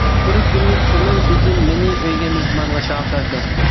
بىر كۈنى تۆمۈر بېگىم مېنى ئۆيىگە مېھمانغا چاقىردى.